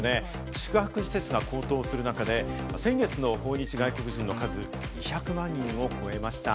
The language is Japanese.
宿泊施設が高騰する中で、先月の訪日外国人の数は２００万人を超えました。